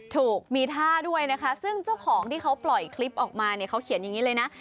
ถูกมีท่าด้วยนะคะซึ่งเจ้าของที่เขาปล่อยคลิปออกมาเนี่ยเขาเขียนอย่างนี้เลยนะ